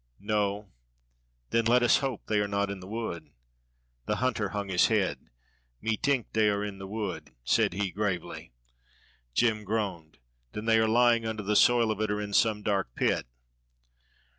"No? then let us hope they are not in the wood." The hunter hung his head. "Me tink they are in the wood," said he, gravely. Jem groaned, "Then they are lying under the soil of it or in some dark pit."